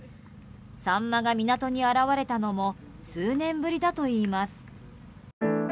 サンマが港に現れたのも数年ぶりだといいます。